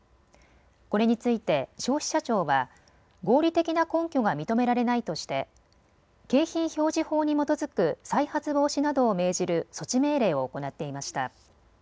これについて消費者庁は合理的な根拠が認められないとして景品表示法に基づく再発防止などを命じる措置命令を行っていました。